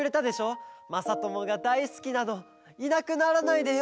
「まさともがだいすきなのいなくならないでよ」